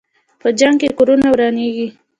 په جنګ کې کورونه ورانېږي.